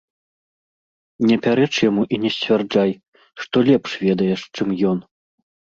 Не пярэч яму і не сцвярджай, што лепш ведаеш, чым ён.